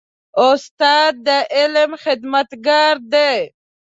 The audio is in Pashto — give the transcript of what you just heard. استاد د علم خدمتګار دی.